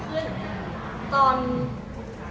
ใช่มั้ยครับ